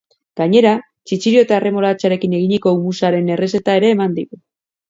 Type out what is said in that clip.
Gainera, txitxirio eta erremolatxarekin eginiko hummusaren errezeta ere eman digu.